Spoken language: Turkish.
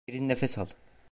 Derin nefes al.